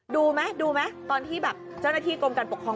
ดูไหมเวลาที่เจ้าหน้าที่กรมการปกครอง